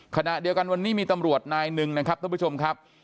ขณะเดียวกันวันนี้มีตำรวจนายหนึ่งนะครับท่านผู้ชมครับ